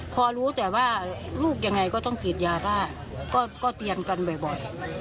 พอรู้แต่ว่าลูกยังไงก็ต้องกรีดยาบ้าก็เตียงกันบ่อย